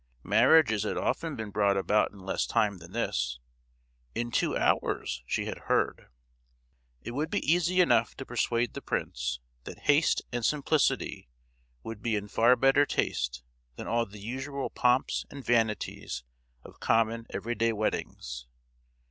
Marriages had often been brought about in less time than this—in two hours, she had heard! It would be easy enough to persuade the prince that haste and simplicity would be in far better taste than all the usual pomps and vanities of common everyday weddings.